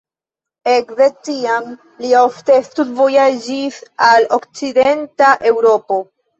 Ekde tiam li ofte studvojaĝis al okcidenta Eŭropo.